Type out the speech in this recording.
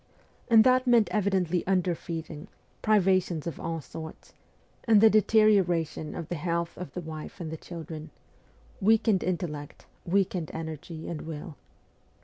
And that meant evidently underfeeding, pri vations of all sorts, and the deterioration of the health of the wife and the children : weakened intellect, weakened energy and will.